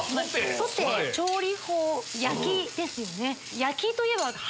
調理法焼きですよね。